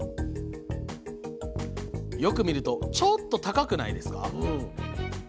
よく見るとちょっと高くないですか？